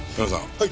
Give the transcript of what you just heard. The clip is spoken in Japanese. はい。